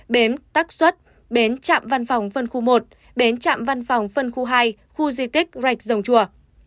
bến tắc xuất bến trạm văn phòng phân khu một bến trạm văn phòng phân khu hai khu di tích rạch rồng chùa